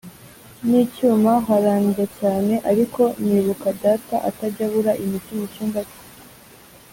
nicyuma harandya cyane ariko nibuka data atajya abura imiti mucyumba cye